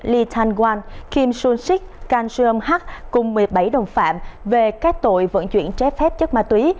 ly thanh quang kim soon sik kang seung hak cùng một mươi bảy đồng phạm về các tội vận chuyển trái phép chất ma túy